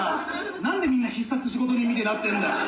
なんでみんな必殺仕事人みてえになってんだよ。